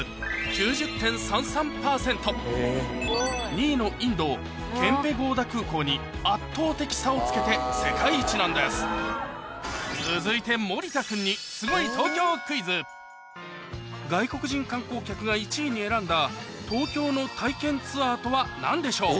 ２位のインドケンペゴウダ空港に圧倒的差をつけて世界一なんです続いて森田君に外国人観光客が１位に選んだ東京の体験ツアーとは何でしょう？